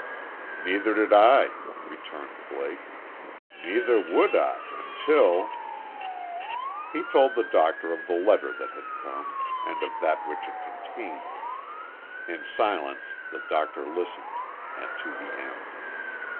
"Neither did I," returned Blake. "Neither would I until " He told the doctor of the letter that had come; and of that which it contained. In silence the doctor listened, and to the end.